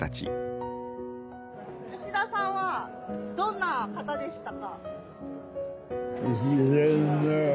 吉田さんはどんな方でしたか？